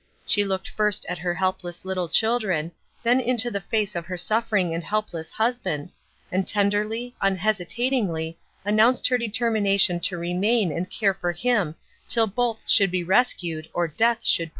She looked first at her helpless little children, then into the face of her suffering and helpless husband, and tenderly, unhesitatingly, announced her determination to remain and care for him until both should be rescued, or death should part them.